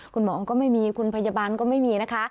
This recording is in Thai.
คุณหมอก็ไม่มีคุณพยาบาลก็ไม่มีนะคะ